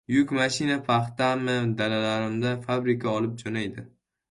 Yuk mashina paxtamni dalalarimdan fabrika olib jo‘naydi.